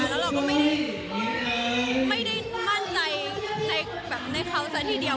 แล้วเราก็ไม่ได้มั่นใจในเขาซะทีเดียว